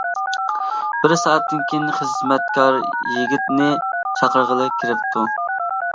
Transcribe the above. بىر سائەتتىن كېيىن خىزمەتكار يىگىتنى چاقىرغىلى كىرىپتۇ.